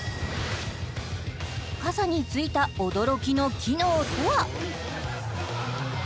傘に付いた驚きの機能とは？